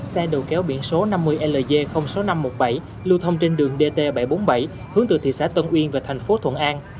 xe đầu kéo biển số năm mươi l sáu nghìn năm trăm một mươi bảy lưu thông trên đường dt bảy trăm bốn mươi bảy hướng từ thị xã tân uyên về thành phố thuận an